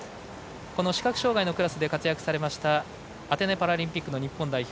視覚障がいのクラスで活躍されましたアテネパラリンピック日本代表